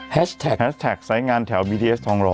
แฮชแท็กแฮชแท็กสายงานแถวบีทีเอสทองหล่อ